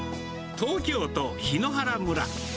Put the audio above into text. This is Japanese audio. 東京都檜原村。